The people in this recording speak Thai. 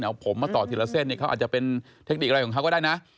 เอาผมมาต่อทีละเส้นเนี่ยเขาอาจจะเป็นเทคนิคอะไรของเขาก็ได้นะ